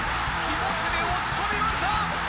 気持ちで押し込みました！